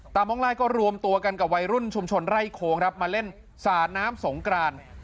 ม่องไล่ก็รวมตัวกันกับวัยรุ่นชุมชนไร่โค้งครับมาเล่นสาดน้ำสงกราน